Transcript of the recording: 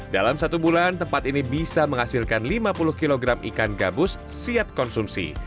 dalam satu bulan tempat ini bisa menghasilkan lima puluh kg ikan gabus siap konsumsi